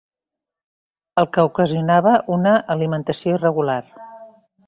El que ocasionava una alimentació irregular.